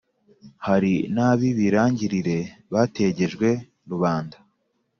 hari n’ab’ibirangirire bategejwe rubanda